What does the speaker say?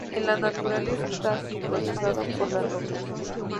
En la naturaleza está simbolizado por las rocas.